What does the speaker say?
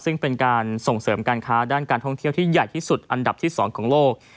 ซึ่งเป็นการส่งเสริมการค้าด้านการท่องเที่ยวที่ใหญ่ที่สุดอันดับที่๒ของโลก